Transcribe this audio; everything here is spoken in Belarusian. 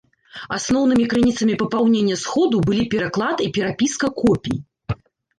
Асноўнымі крыніцамі папаўнення сходу былі пераклад і перапіска копій.